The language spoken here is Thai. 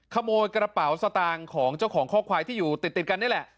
ขโมยกระเป๋าสตางค์ของเจ้าของข้อควายที่อยู่ติดกันนี่แหละ